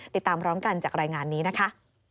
ติดตามพร้อมกันจากรายงานนี้นะคะ